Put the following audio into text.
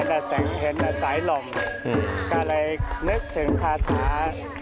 แต่สายหล่มก็เลยนึกถึงคาถา